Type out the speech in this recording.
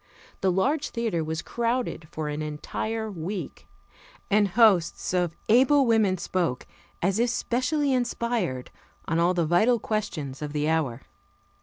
The large theater was crowded for an entire week, and hosts of able women spoke, as if specially inspired, on all the vital questions of the hour.